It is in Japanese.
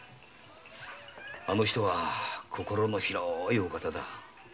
あの人は心の広いお方だ。